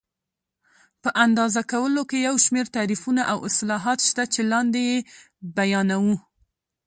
په اندازه کولو کې یو شمېر تعریفونه او اصلاحات شته چې لاندې یې بیانوو.